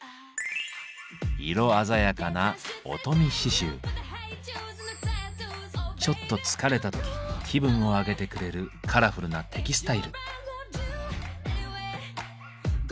色鮮やかなちょっと疲れた時気分を上げてくれるカラフルなテキスタイル。